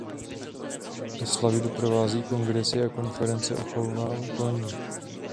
Oslavy doprovází kongresy a konference o chovu koní.